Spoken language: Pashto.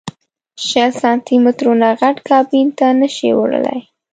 شل سانتي مترو نه غټ کابین ته نه شې وړلی.